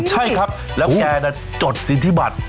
ใช่ครับแล้วแกน่ะจดสิทธิบัตร